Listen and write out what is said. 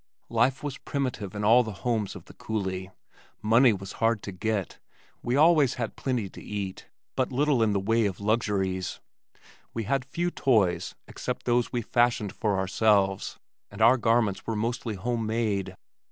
Life was primitive in all the homes of the coulee. Money was hard to get. We always had plenty to eat, but little in the way of luxuries. We had few toys except those we fashioned for ourselves, and our garments were mostly home made.